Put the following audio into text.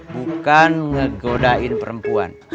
bukan ngegodain perempuan